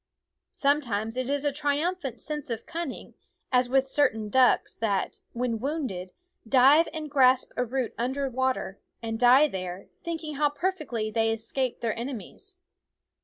Some times it is a triumphant sense of cunning, as with certain ducks that, when wounded, dive and grasp a root under water, and die there, THE WOODS thinking how perfectly they escape their enemies.